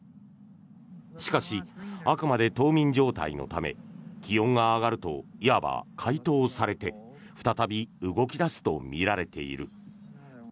しかし、あくまで冬眠状態のため気温が上がるといわば解凍されて再び動き出すとみられている。